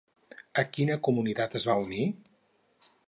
A quina comunitat es va unir?